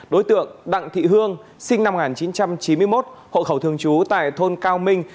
đối tượng đặng thị hương sinh năm một nghìn chín trăm chín mươi một hộ khẩu thường trú tại thôn cao minh